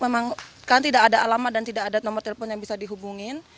memang kan tidak ada alamat dan tidak ada nomor telepon yang bisa dihubungin